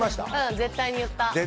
絶対に言った。